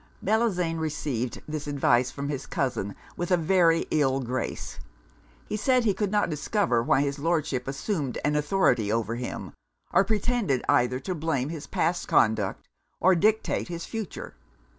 Bellozane received this advice from his cousin with a very ill grace. He said, that he could not discover why his Lordship assumed an authority over him, or pretended either to blame his past conduct or dictate his future.